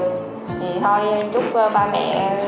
thì thôi chúc ba mẹ